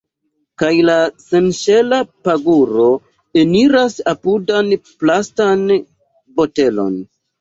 Kaj la senŝela paguro eniras apudan plastan botelon.